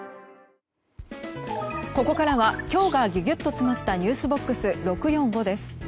ここからは今日がギュギュッと詰まったｎｅｗｓＢＯＸ６４５です。